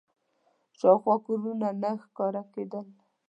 شاوخوا کورونه نه ښکاره کېدل.